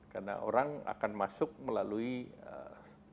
karena orang akan masuk melalui pemerintahan